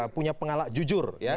punya pengalak jujur